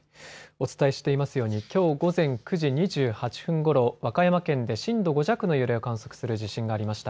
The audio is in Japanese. お伝えしていますようにきょう午前９時２８分ごろ、和歌山県で震度５弱の揺れを観測する地震がありました。